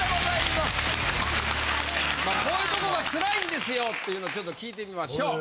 まあこういうとこが辛いんですよっていうのをちょっと聞いてみましょう！